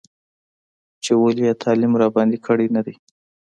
چې ولې یې تعلیم راباندې کړی نه دی.